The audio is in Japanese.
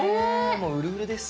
もううるうるです。